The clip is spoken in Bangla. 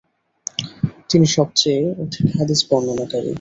তিনি সবচেয়ে অধিক হাদিস বর্ণনাকারী।